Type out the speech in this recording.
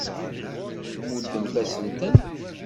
Tmuddemt-asen-ten.